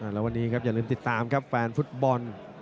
และวันนี้อย่าลืมติดตามแฟนฟุตบอล